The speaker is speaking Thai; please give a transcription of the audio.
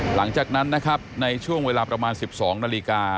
หลังจากนั้นนะครับในช่วงเวลาประมาณ๑๒นาฬิกา